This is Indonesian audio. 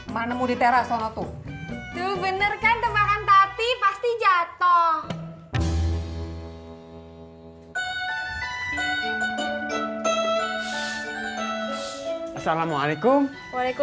ketemu dimana mak